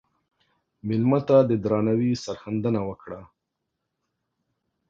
مېلمه ته د درناوي سرښندنه وکړه.